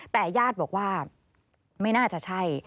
แต่ญาติบอกว่าไม่น่าจะใช่